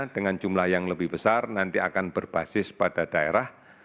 dengan jumlah yang lebih besar nanti akan berbasis pada daerah